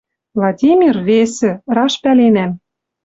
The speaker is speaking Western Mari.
Владимир — весӹ, раш пӓленӓм.